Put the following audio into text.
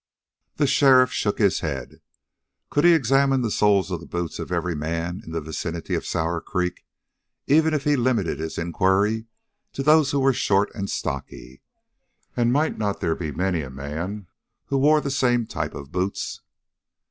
The sheriff shook his head. Could he examine the soles of the boots of every man in the vicinity of Sour Creek, even if he limited his inquiry to those who were short and stocky? And might there not be many a man who wore the same type of boots?